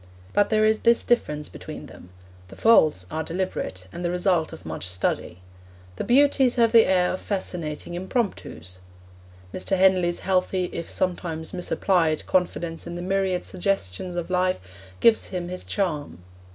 But there is this difference between them the faults are deliberate, and the result of much study; the beauties have the air of fascinating impromptus. Mr. Henley's healthy, if sometimes misapplied, confidence in the myriad suggestions of life gives him his charm.